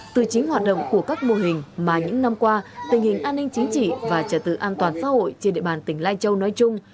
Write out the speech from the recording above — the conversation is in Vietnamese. từ chính hoạt động của các mô hình mà những năm qua tình hình an ninh chính trị và trả tự an toàn xã hội trên địa bàn tỉnh lai châu nói chung